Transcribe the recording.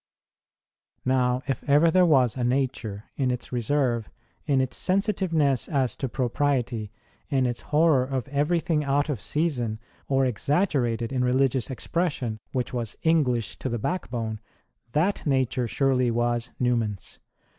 Now, if ever there was a nature in its reserve, in its sensitiveness as to propriety, in its horror of everything out of season or exaggerated in religious expression which was English to the backbone, that nature surely was Newman s.